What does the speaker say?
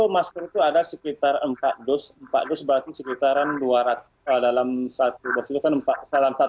masker itu ada sekitar empat dos